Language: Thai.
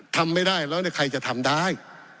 ทำไม่ได้แล้วใครจะทำได้